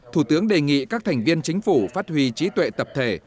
thủ tướng đề nghị các thành viên chính phủ phát huy trí tuệ tập thể